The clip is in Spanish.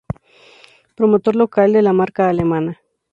Promotor local de la marca alemana.